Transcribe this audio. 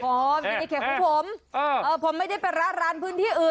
อ๋ออยู่ในเขตของผมผมไม่ได้ไปร้านพื้นที่อื่น